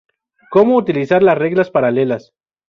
Cómo utilizar las reglas paralelas